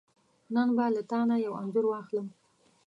نن به له تانه یو انځور واخلم .